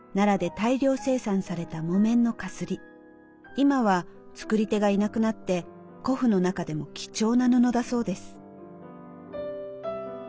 今は作り手がいなくなって古布の中でも貴重な布だそうです。